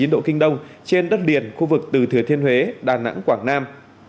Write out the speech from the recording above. một trăm linh bảy chín độ kinh đông trên đất liền khu vực từ thừa thiên huế đà nẵng quảng nam